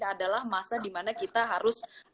adalah masa di mana kita harus sangat hati hati